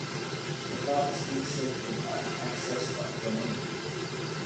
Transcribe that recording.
The fat is mixed with an excess of bromine.